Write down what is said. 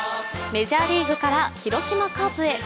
メジャーリーグから広島カープへ。